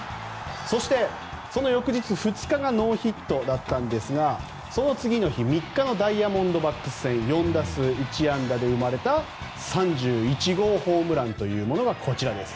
そして、その翌日２日がノーヒットだったんですがその次の日３日のダイヤモンドバックス戦４打数１安打で生まれた３１号ホームランというのがこちらです。